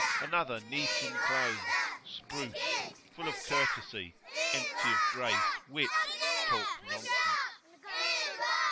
another neat in clothes, spruce, full of courtesy, empty of grace, wit, talk nonsense?